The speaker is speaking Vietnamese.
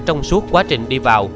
trong suốt quá trình đi vào